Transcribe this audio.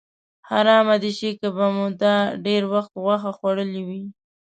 حرامه دې شي که به مو دا ډېر وخت غوښه خوړلې وي.